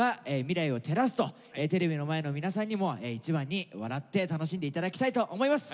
テレビの前の皆さんにも一番に笑って楽しんで頂きたいと思います。